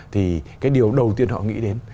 thì cái điều đầu tiên họ nghĩ đến